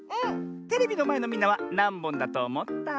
テレビのまえのみんなはなんぼんだとおもった？